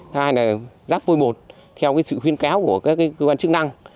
hai là rác vôi bột theo sự khuyên cáo của các cơ quan chức năng